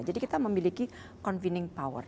jadi kita memiliki convening power